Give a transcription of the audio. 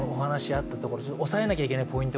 押さえなきゃいけないポイント